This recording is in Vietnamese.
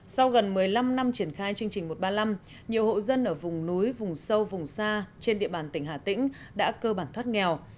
sau gần một mươi năm năm triển khai chương trình một trăm ba mươi năm nhiều hộ dân ở vùng núi vùng sâu vùng xa trên địa bàn tỉnh hà tĩnh đã cơ bản thoát nghèo